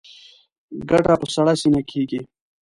ګټه په سړه سینه کېږي.